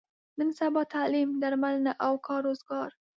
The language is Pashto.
نن سبا تعلیم، درملنه او کار روزګار.